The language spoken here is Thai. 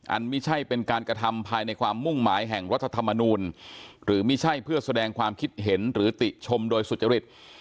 ไม่ใช่เป็นการกระทำภายในความมุ่งหมายแห่งรัฐธรรมนูลหรือไม่ใช่เพื่อแสดงความคิดเห็นหรือติชมโดยสุจริต